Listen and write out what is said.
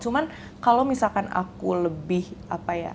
cuman kalau misalkan aku lebih apa ya